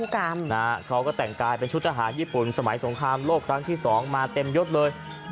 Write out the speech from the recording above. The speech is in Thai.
เขาก็แต่งกายเป็นชุดทหารญี่ปุ่นสมัยสงครามโลกครั้งที่๒มาเต็มยดเลย